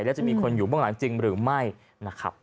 แล้วจะมีคนอยู่บ้างหรือไม่นะครับ